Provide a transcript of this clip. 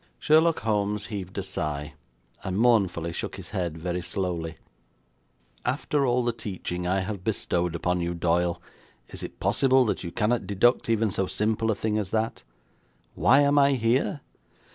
Sherlock Holmes heaved a sigh, and mournfully shook his head very slowly. 'After all the teaching I have bestowed upon you, Doyle, is it possible that you cannot deduct even so simple a thing as that? Why am I here?